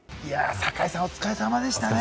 坂井さん、お疲れ様でしたね。